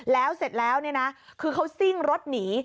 แล้วเสร็จแล้วเนี่ยนะคือเขาซิ่งรถหนี